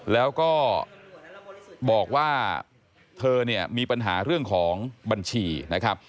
แล้วก็บอกว่าเธอเนี่ยมีปัญหาเรื่องของบัญชีนะครับ